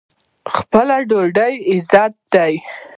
خپله ډوډۍ عزت دی.